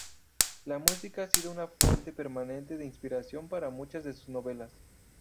La música ha sido una fuente permanente de inspiración para muchas de sus novelas.